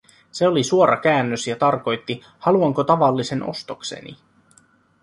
Se oli suora käännös ja tarkoitti, haluanko tavallisen ostokseni.